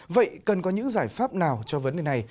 vậy cần có những giải pháp nào cho vấn đề này